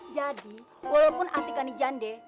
jadi walaupun artika ni jande